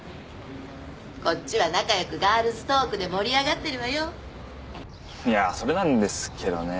こっちは仲よくガールズトークで盛り上がってるわよいやそれなんですけどね